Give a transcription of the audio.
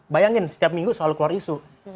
bayangin setiap minggu selalu keluar isu